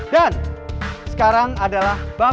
dan peserta masing masing akan saling menang